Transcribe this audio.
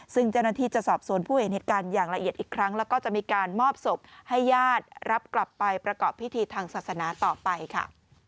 ซึ่งเจ้าหน้าที่จะสอบสวนผู้เห็นเหตุการณ์อย่างละเอียดอีกครั้งแล้วก็จะมีการมอบศพให้ญาติรับกลับไปประกอบพิธีทางศาสนาต่อไปค่ะ